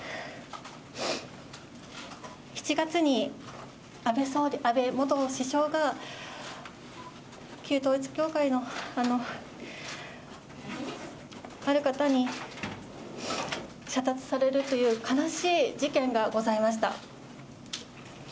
７月に安倍元首相が旧統一教会の、ある方に、射殺されるという悲しい事件がございました。